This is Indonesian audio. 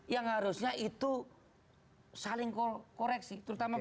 yang harusnya itu saling koreksi terutama